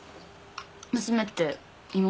娘って妹？